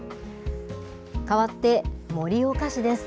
変わって盛岡市です。